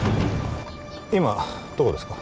今どこですか？